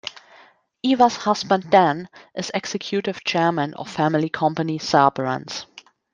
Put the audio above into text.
Eva's husband Dan is executive chairman of family company, Sabrands.